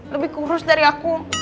lebih kurus dari aku